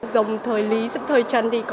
dòng thời lý dòng thời trân thì có